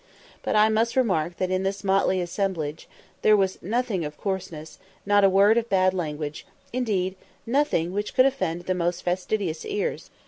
But I must remark that in this motley assembly there was nothing of coarseness, and not a word of bad language indeed, nothing which could offend the most fastidious ears.